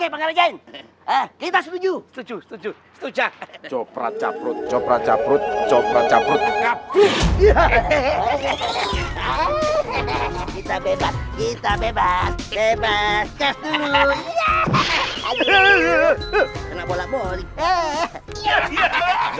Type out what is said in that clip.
om jin dan jun mereka selalu bearing